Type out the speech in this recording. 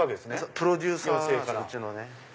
プロデューサーですうちのね。